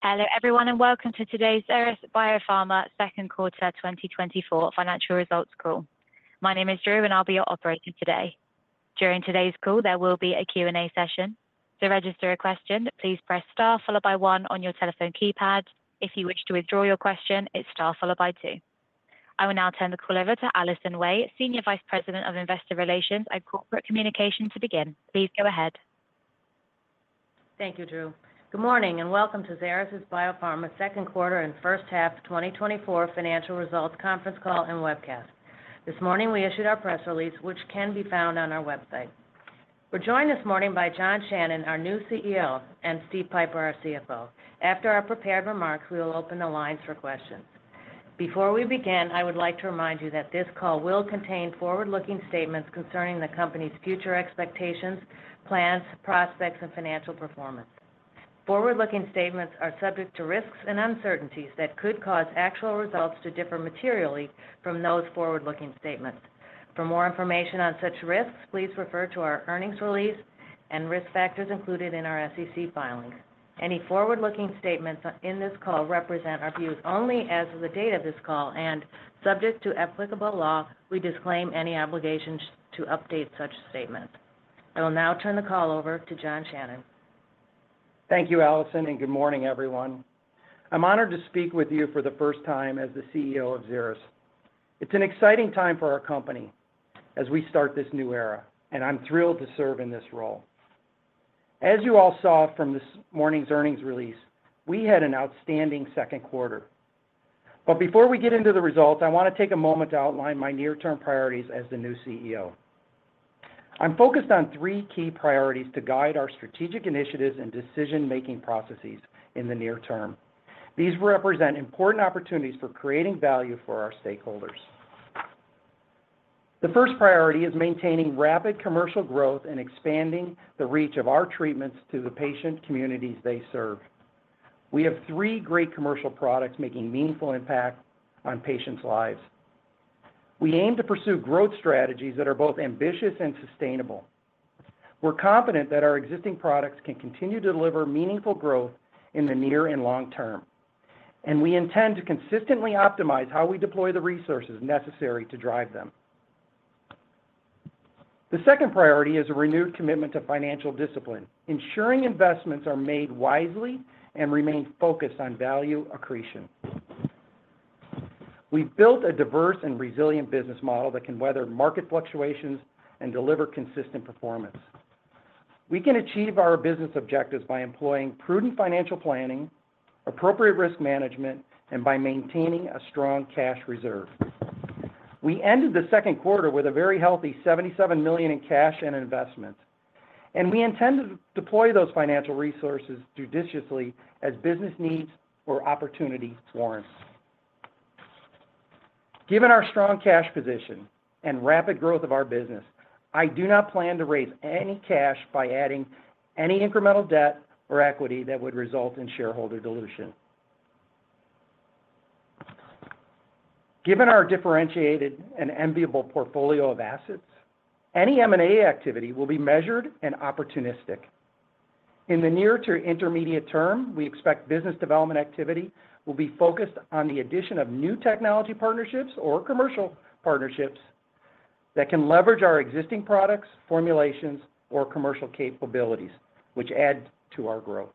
Hello, everyone, and welcome to today's Xeris Biopharma Q2 2024 Financial Results Call. My name is Drew, and I'll be your operator today. During today's call, there will be a Q&A session. To register a question, please press Star followed by one on your telephone keypad. If you wish to withdraw your question, it's Star followed by two. I will now turn the call over to Allison Wey, Senior Vice President of Investor Relations and Corporate Communications, to begin. Please go ahead. Thank you, Drew. Good morning, and welcome to Xeris Biopharma's Q2 and First Half 2024 Financial Results Conference Call and Webcast. This morning, we issued our press release, which can be found on our website. We're joined this morning by John Shannon, our new CEO, and Steve Pieper, our CFO. After our prepared remarks, we will open the lines for questions. Before we begin, I would like to remind you that this call will contain forward-looking statements concerning the company's future expectations, plans, prospects, and financial performance. Forward-looking statements are subject to risks and uncertainties that could cause actual results to differ materially from those forward-looking statements. For more information on such risks, please refer to our earnings release and risk factors included in our SEC filings. Any forward-looking statements in this call represent our views only as of the date of this call, and subject to applicable law, we disclaim any obligations to update such statements. I will now turn the call over to John Shannon. Thank you, Allison, and good morning, everyone. I'm honored to speak with you for the first time as the CEO of Xeris. It's an exciting time for our company as we start this new era, and I'm thrilled to serve in this role. As you all saw from this morning's earnings release, we had an outstanding Q2. But before we get into the results, I want to take a moment to outline my near-term priorities as the new CEO. I'm focused on three key priorities to guide our strategic initiatives and decision-making processes in the near term. These represent important opportunities for creating value for our stakeholders. The first priority is maintaining rapid commercial growth and expanding the reach of our treatments to the patient communities they serve. We have three great commercial products making meaningful impact on patients' lives. We aim to pursue growth strategies that are both ambitious and sustainable. We're confident that our existing products can continue to deliver meaningful growth in the near and long term, and we intend to consistently optimize how we deploy the resources necessary to drive them. The second priority is a renewed commitment to financial discipline, ensuring investments are made wisely and remain focused on value accretion. We've built a diverse and resilient business model that can weather market fluctuations and deliver consistent performance. We can achieve our business objectives by employing prudent financial planning, appropriate risk management, and by maintaining a strong cash reserve. We ended the Q2 with a very healthy $77 million in cash and investments, and we intend to deploy those financial resources judiciously as business needs or opportunities warrant. Given our strong cash position and rapid growth of our business, I do not plan to raise any cash by adding any incremental debt or equity that would result in shareholder dilution. Given our differentiated and enviable portfolio of assets, any M&A activity will be measured and opportunistic. In the near to intermediate term, we expect business development activity will be focused on the addition of new technology partnerships or commercial partnerships that can leverage our existing products, formulations, or commercial capabilities, which add to our growth.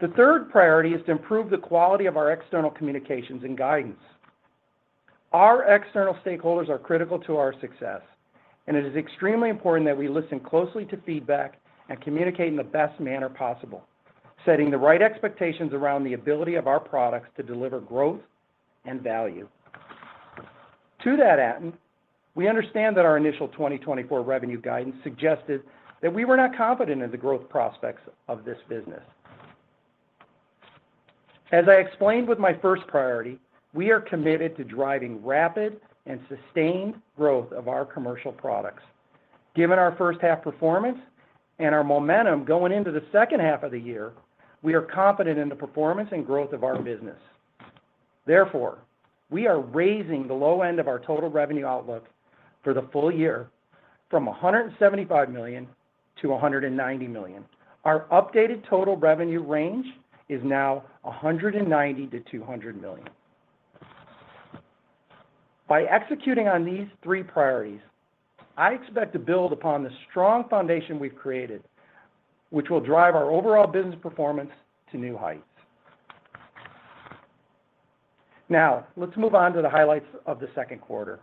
The third priority is to improve the quality of our external communications and guidance. Our external stakeholders are critical to our success, and it is extremely important that we listen closely to feedback and communicate in the best manner possible, setting the right expectations around the ability of our products to deliver growth and value. To that end, we understand that our initial 2024 revenue guidance suggested that we were not confident in the growth prospects of this business. As I explained with my first priority, we are committed to driving rapid and sustained growth of our commercial products. Given our first half performance and our momentum going into the second half of the year, we are confident in the performance and growth of our business. Therefore, we are raising the low end of our total revenue outlook for the full year from $175 to 190 million. Our updated total revenue range is now $190 to 200 million. By executing on these three priorities, I expect to build upon the strong foundation we've created, which will drive our overall business performance to new heights. Now, let's move on to the highlights of the Q2.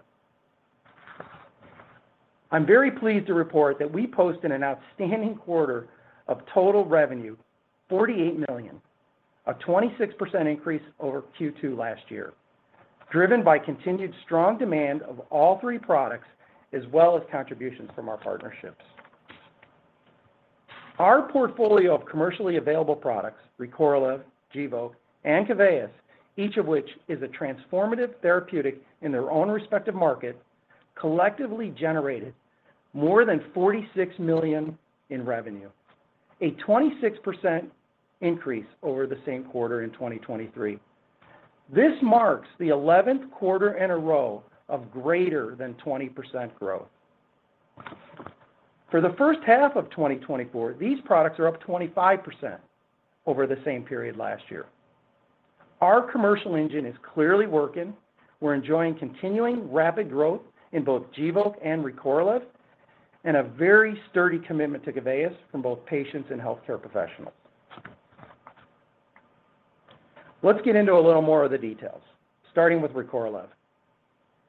I'm very pleased to report that we posted an outstanding quarter of total revenue, $48 million, a 26% increase over Q2 last year, driven by continued strong demand of all three products, as well as contributions from our partnerships. Our portfolio of commercially available products, Recorlev, Gvoke, and Keveyis, each of which is a transformative therapeutic in their own respective market, collectively generated more than $46 million in revenue, a 26% increase over the same quarter in 2023. This marks the 11th quarter in a row of greater than 20% growth. For the first half of 2024, these products are up 25% over the same period last year. Our commercial engine is clearly working. We're enjoying continuing rapid growth in both Gvoke and Recorlev, and a very sturdy commitment to Keveyis from both patients and healthcare professionals. Let's get into a little more of the details, starting with Recorlev.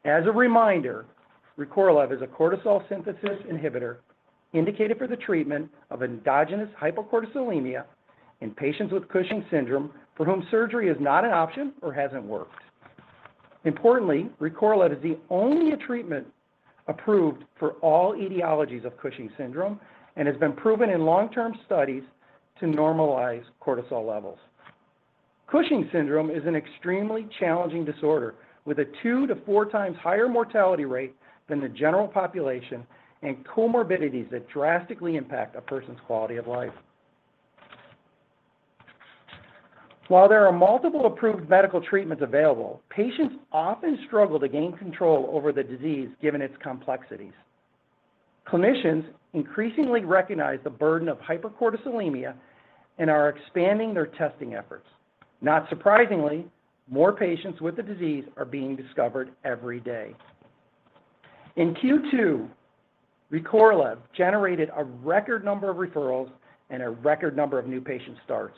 As a reminder, Recorlev is a cortisol synthesis inhibitor indicated for the treatment of endogenous hypercortisolemia in patients with Cushing's syndrome for whom surgery is not an option or hasn't worked. Importantly, Recorlev is the only treatment approved for all etiologies of Cushing's syndrome and has been proven in long-term studies to normalize cortisol levels. Cushing's syndrome is an extremely challenging disorder with a 2 to 4 times higher mortality rate than the general population, and comorbidities that drastically impact a person's quality of life. While there are multiple approved medical treatments available, patients often struggle to gain control over the disease, given its complexities. Clinicians increasingly recognize the burden of hypercortisolemia and are expanding their testing efforts. Not surprisingly, more patients with the disease are being discovered every day. In Q2, Recorlev generated a record number of referrals and a record number of new patient starts.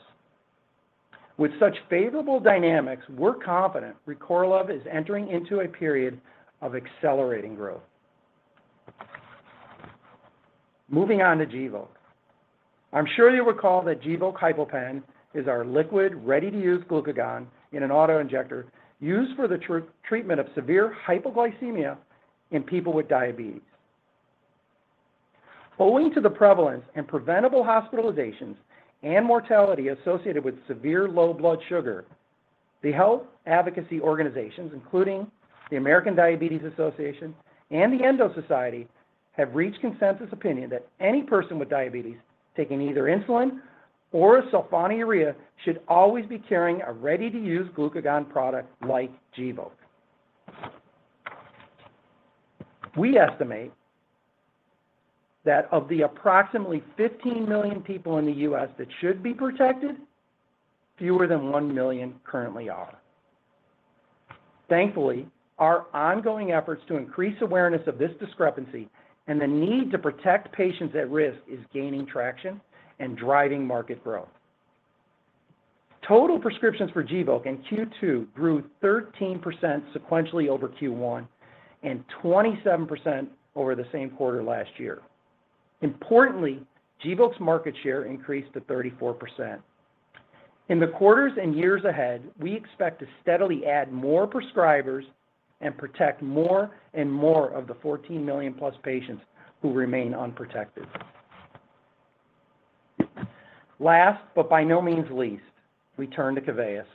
With such favorable dynamics, we're confident Recorlev is entering into a period of accelerating growth. Moving on to Gvoke. I'm sure you recall that Gvoke HypoPen is our liquid, ready-to-use glucagon in an auto-injector, used for the treatment of severe hypoglycemia in people with diabetes. Owing to the prevalence and preventable hospitalizations and mortality associated with severe low blood sugar, the health advocacy organizations, including the American Diabetes Association and the Endo Society, have reached consensus opinion that any person with diabetes taking either insulin or sulfonylurea should always be carrying a ready-to-use glucagon product like Gvoke. We estimate that of the approximately 15 million people in the U.S. that should be protected, fewer than 1 million currently are. Thankfully, our ongoing efforts to increase awareness of this discrepancy and the need to protect patients at risk is gaining traction and driving market growth. Total prescriptions for Gvoke in Q2 grew 13% sequentially over Q1, and 27% over the same quarter last year. Importantly, Gvoke's market share increased to 34%. In the quarters and years ahead, we expect to steadily add more prescribers and protect more and more of the 14 million-plus patients who remain unprotected. Last, but by no means least, we turn to Keveyis.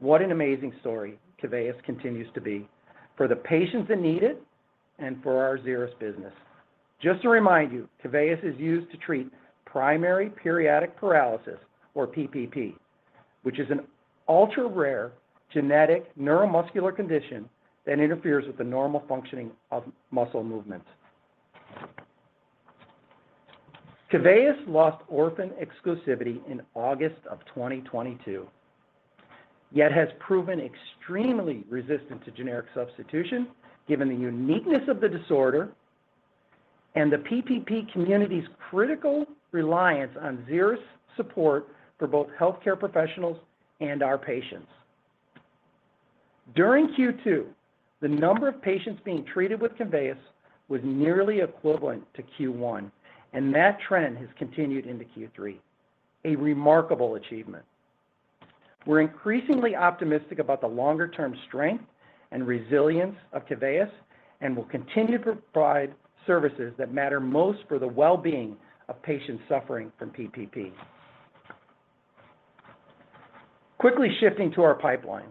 What an amazing story Keveyis continues to be for the patients that need it and for our Xeris business. Just to remind you, Keveyis is used to treat primary periodic paralysis, or PPP, which is an ultra-rare genetic neuromuscular condition that interferes with the normal functioning of muscle movement. Keveyis lost orphan exclusivity in August of 2022, yet has proven extremely resistant to generic substitution, given the uniqueness of the disorder and the PPP community's critical reliance on Xeris support for both healthcare professionals and our patients. During Q2, the number of patients being treated with Keveyis was nearly equivalent to Q1, and that trend has continued into Q3, a remarkable achievement. We're increasingly optimistic about the longer-term strength and resilience of Keveyis, and we'll continue to provide services that matter most for the well-being of patients suffering from PPP. Quickly shifting to our pipeline.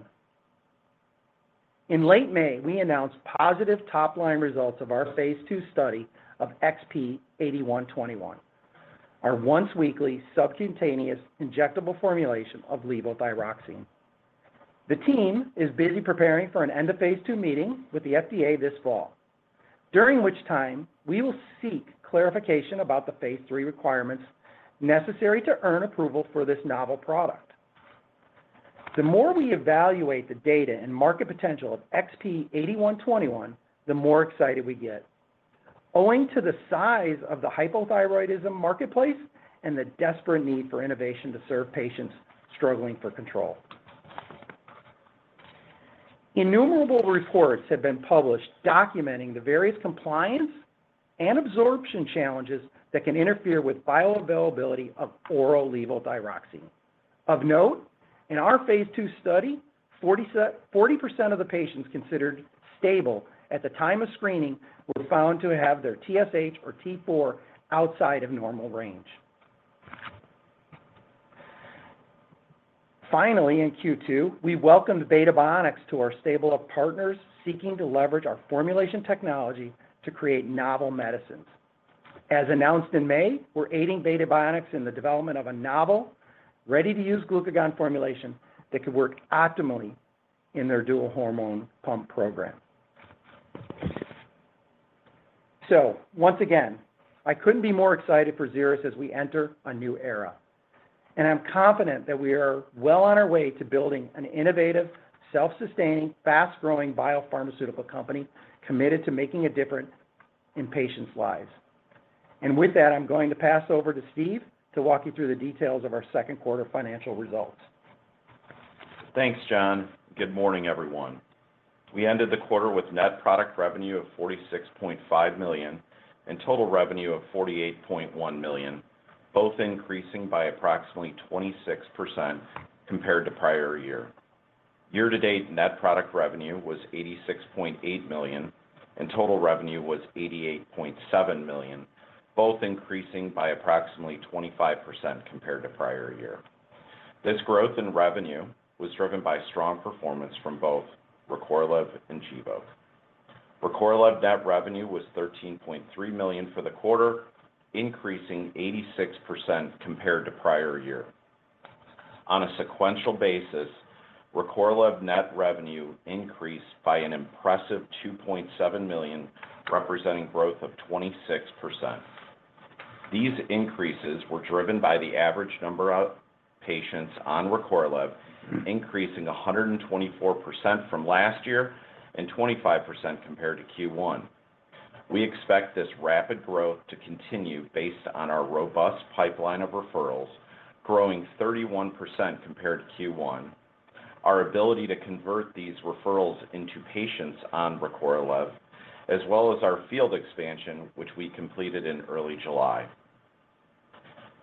In late May, we announced positive top-line results of our phase II study of XP-8121, our once-weekly subcutaneous injectable formulation of levothyroxine. The team is busy preparing for an end-of-phase II meeting with the FDA this fall, during which time we will seek clarification about the phase III requirements necessary to earn approval for this novel product. The more we evaluate the data and market potential of XP-8121, the more excited we get, owing to the size of the hypothyroidism marketplace and the desperate need for innovation to serve patients struggling for control. Innumerable reports have been published documenting the various compliance and absorption challenges that can interfere with bioavailability of oral levothyroxine. Of note, in our phase II study, 40% of the patients considered stable at the time of screening were found to have their TSH or T4 outside of normal range. Finally, in Q2, we welcomed Beta Bionics to our stable of partners seeking to leverage our formulation technology to create novel medicines. As announced in May, we're aiding Beta Bionics in the development of a novel, ready-to-use glucagon formulation that could work optimally in their dual hormone pump program. Once again, I couldn't be more excited for Xeris as we enter a new era, and I'm confident that we are well on our way to building an innovative, self-sustaining, fast-growing biopharmaceutical company, committed to making a difference in patients' lives. With that, I'm going to pass over to Steve to walk you through the details of our Q2 financial results. Thanks, John. Good morning, everyone. We ended the quarter with net product revenue of $46.5 million, and total revenue of $48.1 million, both increasing by approximately 26% compared to prior year. Year-to-date net product revenue was $86.8 million, and total revenue was $88.7 million, both increasing by approximately 25% compared to prior year. This growth in revenue was driven by strong performance from both Recorlev and Gvoke. Recorlev net revenue was $13.3 million for the quarter, increasing 86% compared to prior year. On a sequential basis, Recorlev net revenue increased by an impressive $2.7 million, representing growth of 26%. These increases were driven by the average number of patients on Recorlev, increasing 124% from last year and 25% compared to Q1. We expect this rapid growth to continue based on our robust pipeline of referrals, growing 31% compared to Q1. Our ability to convert these referrals into patients on Recorlev, as well as our field expansion, which we completed in early July.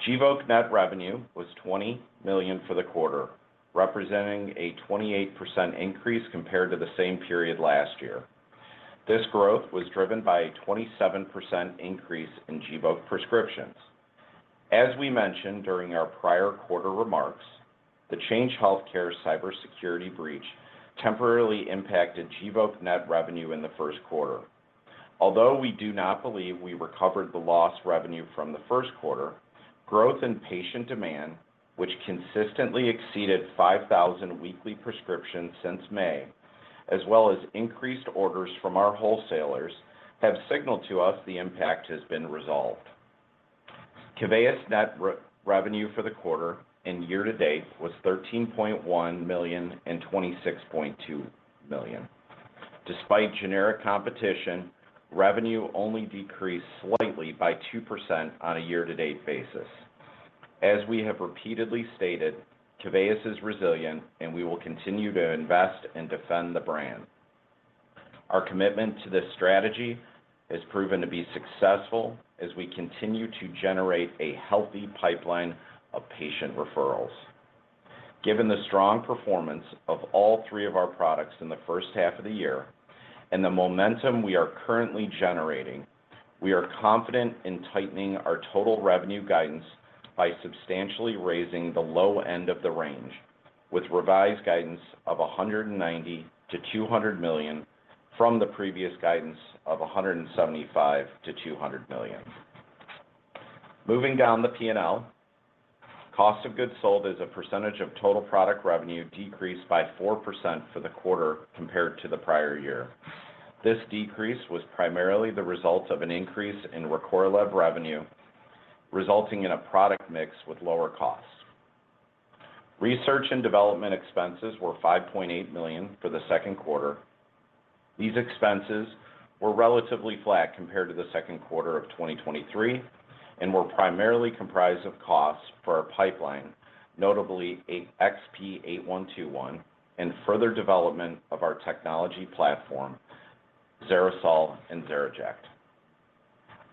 Gvoke net revenue was $20 million for the quarter, representing a 28% increase compared to the same period last year. This growth was driven by a 27% increase in Gvoke prescriptions. As we mentioned during our prior quarter remarks, the Change Healthcare cybersecurity breach temporarily impacted Gvoke net revenue in the Q1. Although we do not believe we recovered the lost revenue from the Q1, growth in patient demand, which consistently exceeded 5,000 weekly prescriptions since May, as well as increased orders from our wholesalers, have signaled to us the impact has been resolved. Keveyis net revenue for the quarter and year-to-date was $13.1 million and $26.2 million. Despite generic competition, revenue only decreased slightly by 2% on a year-to-date basis. As we have repeatedly stated, Keveyis is resilient, and we will continue to invest and defend the brand. Our commitment to this strategy has proven to be successful as we continue to generate a healthy pipeline of patient referrals. Given the strong performance of all three of our products in the first half of the year and the momentum we are currently generating, we are confident in tightening our total revenue guidance by substantially raising the low end of the range, with revised guidance of $190 to 200 million from the previous guidance of $175 to 200 million. Moving down the P&L, cost of goods sold as a percentage of total product revenue decreased by 4% for the quarter compared to the prior year. This decrease was primarily the result of an increase in Recorlev revenue, resulting in a product mix with lower costs. Research and development expenses were $5.8 million for the Q2. These expenses were relatively flat compared to the Q2 of 2023 and were primarily comprised of costs for our pipeline, notably XP-8121, and further development of our technology platform, XeriSol and XeriJect.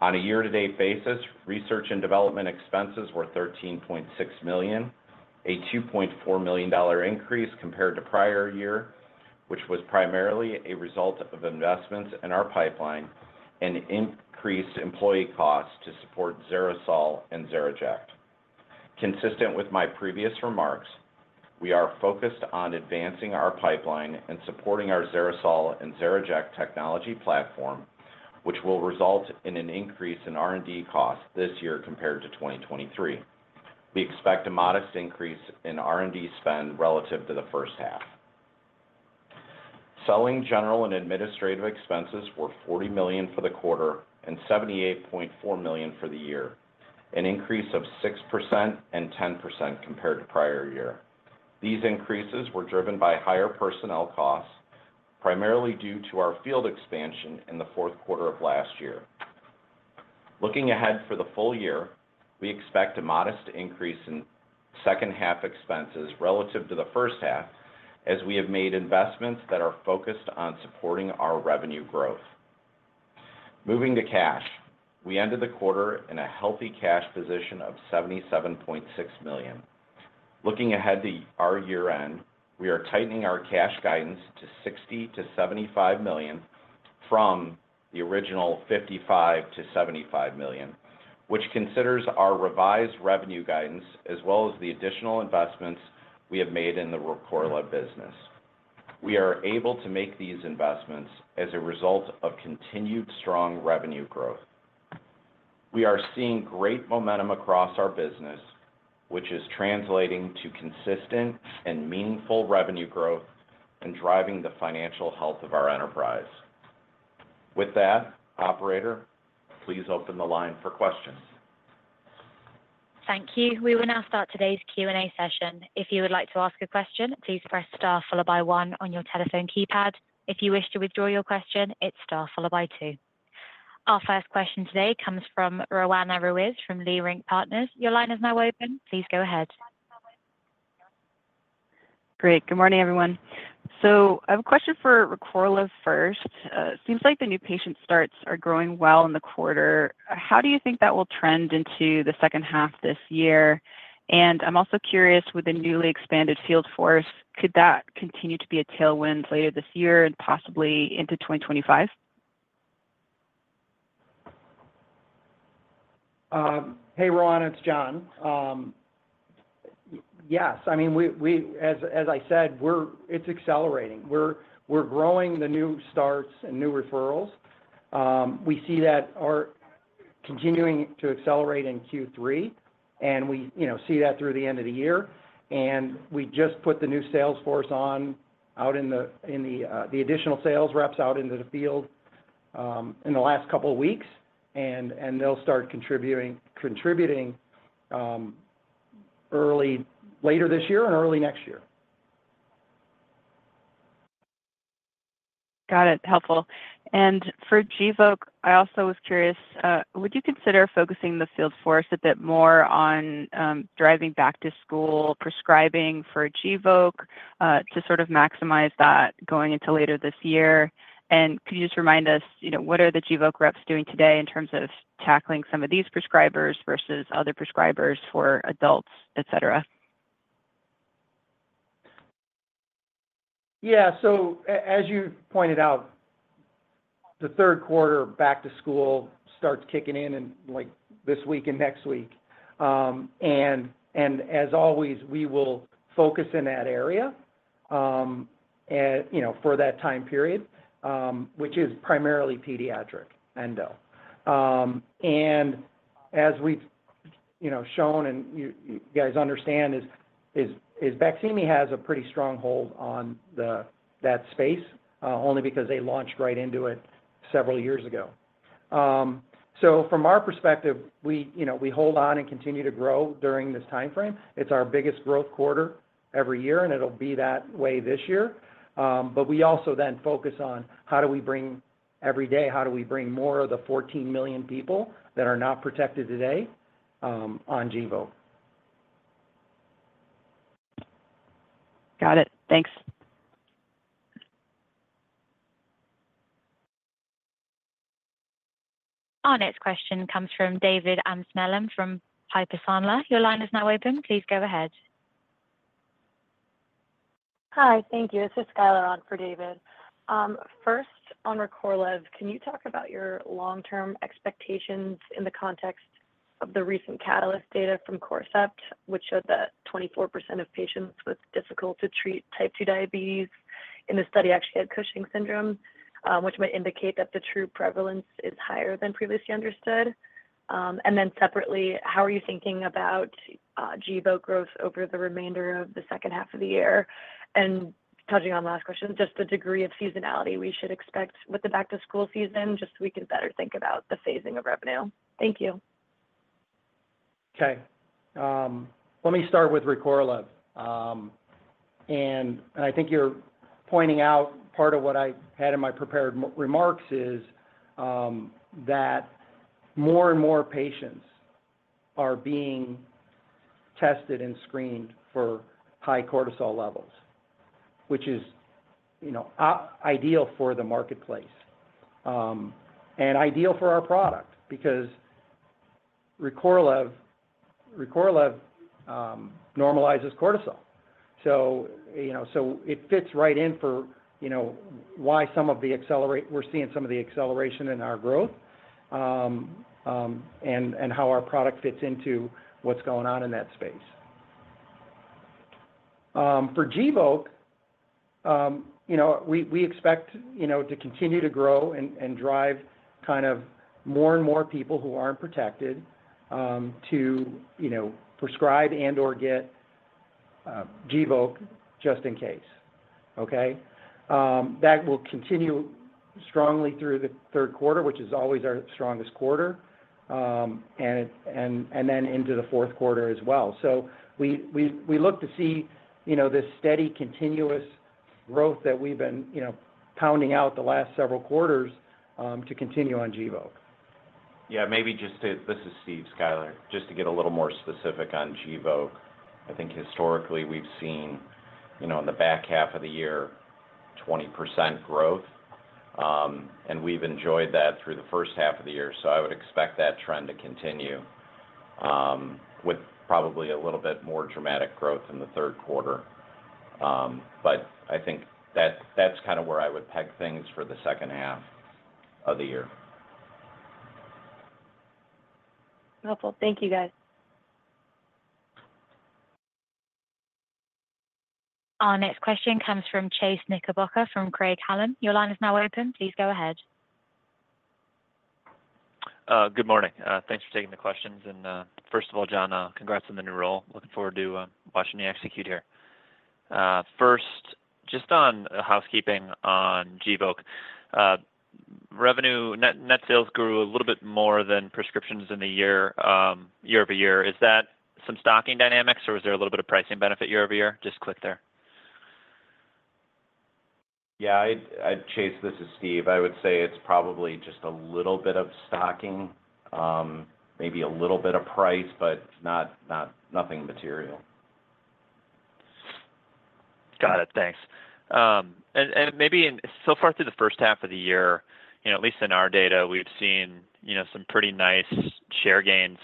On a year-to-date basis, research and development expenses were $13.6 million, a $2.4 million increase compared to prior year, which was primarily a result of investments in our pipeline and increased employee costs to support XeriSol and XeriJect. Consistent with my previous remarks, we are focused on advancing our pipeline and supporting our XeriSol and XeriJect technology platform, which will result in an increase in R&D costs this year compared to 2023. We expect a modest increase in R&D spend relative to the first half. Selling, general, and administrative expenses were $40 million for the quarter and $78.4 million for the year, an increase of 6% and 10% compared to prior year. These increases were driven by higher personnel costs, primarily due to our field expansion in the fourth quarter of last year. Looking ahead for the full year, we expect a modest increase in second half expenses relative to the first half, as we have made investments that are focused on supporting our revenue growth. Moving to cash, we ended the quarter in a healthy cash position of $77.6 million. Looking ahead to our year-end, we are tightening our cash guidance to $60 to 75 million from the original $55 to 75 million, which considers our revised revenue guidance, as well as the additional investments we have made in the Recorlev business. We are able to make these investments as a result of continued strong revenue growth. We are seeing great momentum across our business, which is translating to consistent and meaningful revenue growth and driving the financial health of our enterprise. With that, operator, please open the line for questions. Thank you. We will now start today's Q&A session. If you would like to ask a question, please press star followed by one on your telephone keypad. If you wish to withdraw your question, it's star followed by two. Our first question today comes from Roanna Ruiz from Leerink Partners. Your line is now open. Please go ahead. Great. Good morning, everyone. So I have a question for Recorlev first. Seems like the new patient starts are growing well in the quarter. How do you think that will trend into the second half this year? And I'm also curious, with the newly expanded field force, could that continue to be a tailwind later this year and possibly into 2025? Hey, Roanna, it's John. Yes, I mean, as I said, we're—it's accelerating. We're growing the new starts and new referrals. We see that are continuing to accelerate in Q3, and we, you know, see that through the end of the year. And we just put the new sales force on out in the additional sales reps out into the field in the last couple of weeks, and they'll start contributing later this year and early next year. Got it. Helpful. And for Gvoke, I also was curious, would you consider focusing the field force a bit more on, driving back to school, prescribing for Gvoke, to sort of maximize that going into later this year? And could you just remind us, you know, what are the Gvoke reps doing today in terms of tackling some of these prescribers versus other prescribers for adults, et cetera? Yeah. So as you pointed out, the Q3 back to school starts kicking in in, like, this week and next week. And as always, we will focus in that area, and, you know, for that time period, which is primarily pediatric endo. And as we've, you know, shown and you guys understand, Baqsimi has a pretty strong hold on that space, only because they launched right into it several years ago. So from our perspective, we, you know, we hold on and continue to grow during this time frame. It's our biggest growth quarter every year, and it'll be that way this year. But we also then focus on how do we bring every day, how do we bring more of the 14 million people that are not protected today, on Gvoke? Got it. Thanks. Our next question comes from David Amsellem from Piper Sandler. Your line is now open. Please go ahead. Hi, thank you. This is Skyler on for David. First, on Recorlev, can you talk about your long-term expectations in the context of the recent catalyst data from Corcept, which showed that 24% of patients with difficult to treat type two diabetes in the study actually had Cushing's syndrome, which might indicate that the true prevalence is higher than previously understood? And then separately, how are you thinking about Gvoke growth over the remainder of the second half of the year? And touching on the last question, just the degree of seasonality we should expect with the back-to-school season, just so we can better think about the phasing of revenue. Thank you. Okay. Let me start with Recorlev. And I think you're pointing out part of what I had in my prepared remarks is that more and more patients are being tested and screened for high cortisol levels, which is, you know, ideal for the marketplace and ideal for our product, because Recorlev normalizes cortisol. So, you know, so it fits right in for, you know, why some of the acceleration we're seeing in our growth and how our product fits into what's going on in that space. For Gvoke, you know, we expect, you know, to continue to grow and drive kind of more and more people who aren't protected to, you know, prescribe and/or get Gvoke just in case. Okay? That will continue strongly through the Q3, which is always our strongest quarter, and then into the Q4 as well. So we look to see, you know, this steady, continuous growth that we've been, you know, pounding out the last several quarters to continue on Gvoke. Yeah, maybe just to, This is Steve, Skyler. Just to get a little more specific on Gvoke, I think historically we've seen, you know, in the back half of the year, 20% growth, and we've enjoyed that through the first half of the year. So I would expect that trend to continue, with probably a little bit more dramatic growth in the Q3. But I think that's kind of where I would peg things for the second half of the year. Helpful. Thank you, guys. Our next question comes from Chase Knickerbocker from Craig-Hallum. Your line is now open. Please go ahead. Good morning. Thanks for taking the questions. First of all, John, congrats on the new role. Looking forward to watching you execute here. First, just on housekeeping on Gvoke. Net revenue, net sales grew a little bit more than prescriptions in the year year-over-year. Is that some stocking dynamics, or was there a little bit of pricing benefit year-over-year? Just click there. Yeah, I'd, Chase, this is Steve. I would say it's probably just a little bit of stocking, maybe a little bit of price, but not nothing material. Got it. Thanks. And maybe so far through the first half of the year, you know, at least in our data, we've seen, you know, some pretty nice share gains,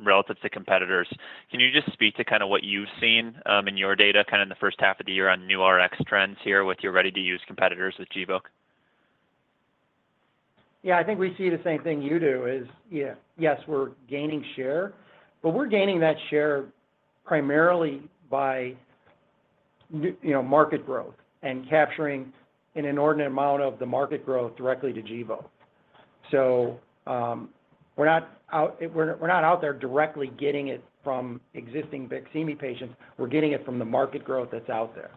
relative to competitors. Can you just speak to kind of what you've seen, in your data, kind of in the first half of the year on new Rx trends here with your ready-to-use competitors with Gvoke? Yeah, I think we see the same thing you do. Yeah, yes, we're gaining share, but we're gaining that share primarily by you know, market growth and capturing an inordinate amount of the market growth directly to Gvoke. So, we're not out there directly getting it from existing Baqsimi patients. We're getting it from the market growth that's out there,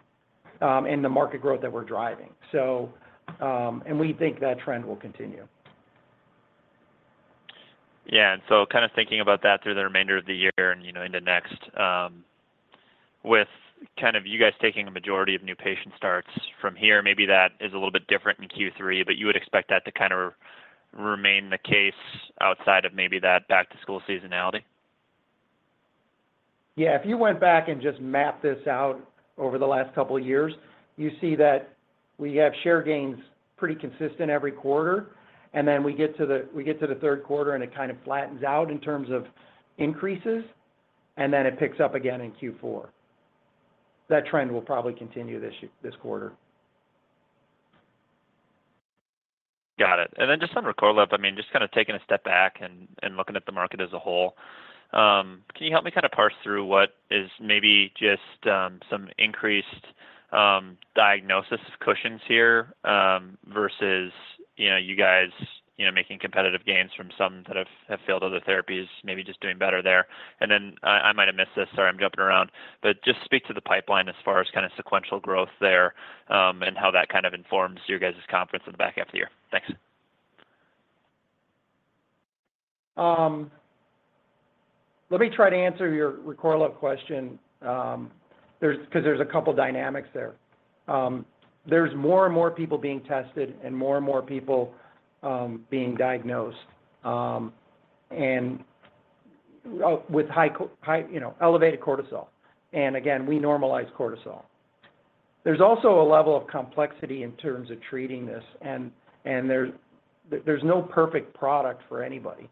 and the market growth that we're driving. And we think that trend will continue. Yeah, and so kind of thinking about that through the remainder of the year and, you know, into next, with kind of you guys taking a majority of new patient starts from here, maybe that is a little bit different in Q3, but you would expect that to kind of remain the case outside of maybe that back-to-school seasonality? Yeah, if you went back and just mapped this out over the last couple of years, you'd see that we have share gains pretty consistent every quarter, and then we get to the Q3, and it kind of flattens out in terms of increases, and then it picks up again in Q4. That trend will probably continue this year, this quarter. Got it. And then just on Recorlev, I mean, just kind of taking a step back and looking at the market as a whole, can you help me kind of parse through what is maybe just some increased diagnosis of Cushing's here, versus, you know, you guys, you know, making competitive gains from some that have failed other therapies, maybe just doing better there? And then, I might have missed this. Sorry, I'm jumping around. But just speak to the pipeline as far as kind of sequential growth there, and how that kind of informs you guys' confidence in the back half of the year. Thanks. Let me try to answer your Recorlev question, 'cause there's a couple dynamics there. There's more and more people being tested and more and more people being diagnosed, and with high, you know, elevated cortisol. And again, we normalize cortisol. There's also a level of complexity in terms of treating this, and there's no perfect product for anybody.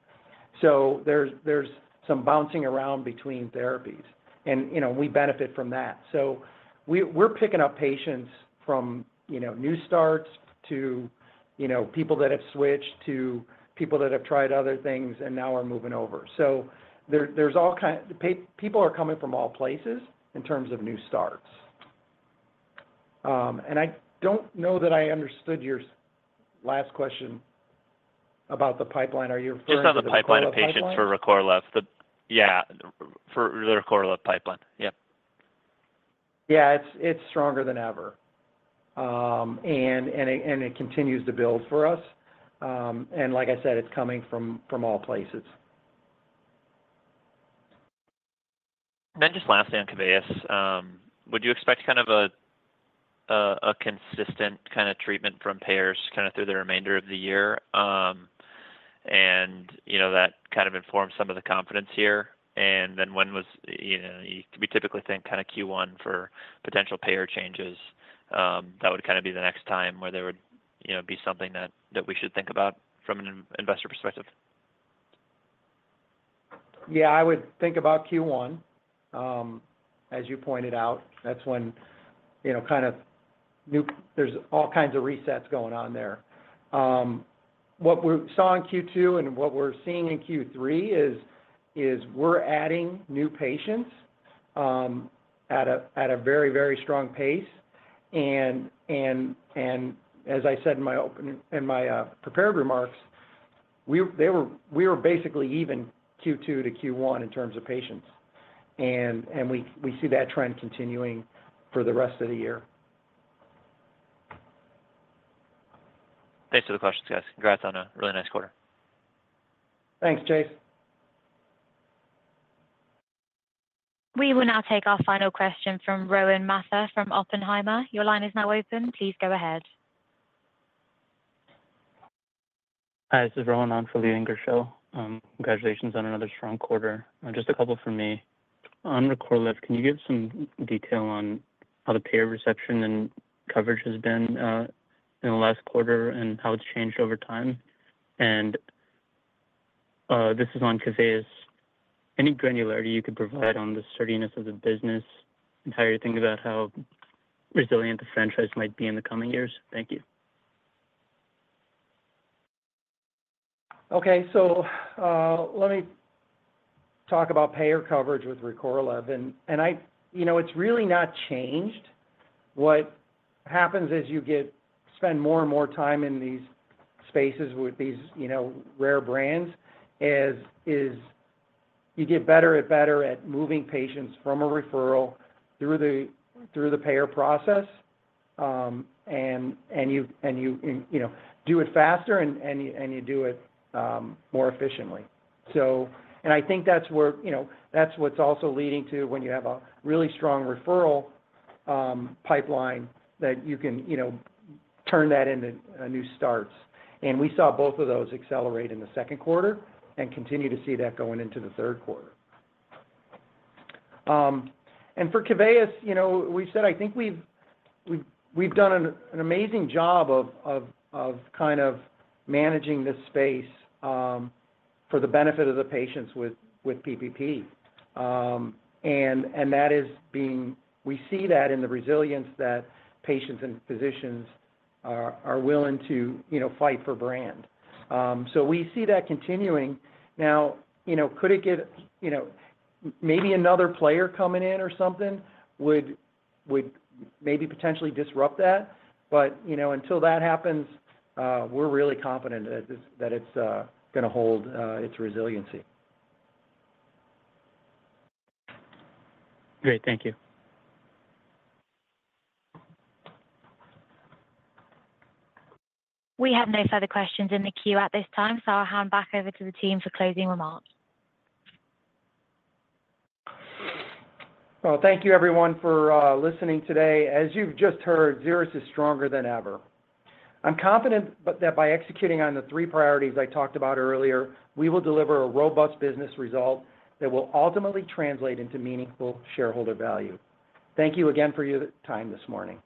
So there's some bouncing around between therapies, and, you know, we benefit from that. So we're picking up patients from, you know, new starts to, you know, people that have switched to people that have tried other things and now are moving over. So people are coming from all places in terms of new starts. And I don't know that I understood your last question about the pipeline. Are you referring to the Recorlev pipeline? Just on the pipeline of patients for Recorlev. Yeah, for the Recorlev pipeline. Yeah. Yeah, it's stronger than ever. And it continues to build for us. And like I said, it's coming from all places. Then just lastly, on Keveyis, would you expect kind of a consistent kind of treatment from payers kind of through the remainder of the year? And, you know, that kind of informs some of the confidence here. And then when was, you know, we typically think kind of Q1 for potential payer changes, that would kind of be the next time where there would, you know, be something that we should think about from an investor perspective. Yeah, I would think about Q1. As you pointed out, that's when, you know, kind of new, there's all kinds of resets going on there. What we saw in Q2 and what we're seeing in Q3 is we're adding new patients at a very, very strong pace. And as I said in my opening, in my prepared remarks, we were basically even Q2 to Q1 in terms of patients, and we see that trend continuing for the rest of the year. Thanks for the questions, guys. Congrats on a really nice quarter. Thanks, Chase. We will now take our final question from Rohan Mathur from Oppenheimer. Your line is now open. Please go ahead. Hi, this is Rohan on for Leland Gershell. Congratulations on another strong quarter. Just a couple from me. On Recorlev, can you give some detail on how the payer reception and coverage has been in the last quarter and how it's changed over time? And this is on Keveyis. Any granularity you could provide on the sturdiness of the business and how you think about how resilient the franchise might be in the coming years? Thank you. Okay, so, let me talk about payer coverage with Recorlev. And I, you know, it's really not changed. What happens is you spend more and more time in these spaces with these, you know, rare brands, you get better and better at moving patients from a referral through the payer process, and you know, do it faster and you do it more efficiently. So I think that's where, you know, that's what's also leading to when you have a really strong referral pipeline that you can, you know, turn that into new starts. And we saw both of those accelerate in the Q2 and continue to see that going into the Q3. And for Keveyis, you know, we said, I think we've done an amazing job of kind of managing this space for the benefit of the patients with PPP. We see that in the resilience that patients and physicians are willing to, you know, fight for brand. So we see that continuing. Now, you know, could it get, you know, maybe another player coming in or something would maybe potentially disrupt that. But, you know, until that happens, we're really confident that this, that it's gonna hold its resiliency. Great. Thank you. We have no further questions in the queue at this time, so I'll hand back over to the team for closing remarks. Well, thank you, everyone, for listening today. As you've just heard, Xeris is stronger than ever. I'm confident that by executing on the three priorities I talked about earlier, we will deliver a robust business result that will ultimately translate into meaningful shareholder value. Thank you again for your time this morning.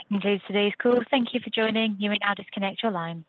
That concludes today's call. Thank you for joining. You may now disconnect your line.